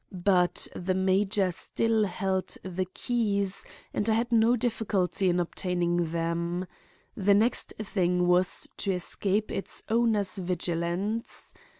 But the major still held the keys and I had no difficulty in obtaining them. The next thing was to escape its owner's vigilance.